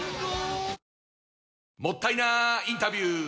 もったいなインタビュー！